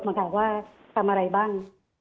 แบบว่าทำอะไรบ้าง